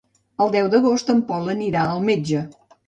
El deu d'agost en Pol anirà al metge.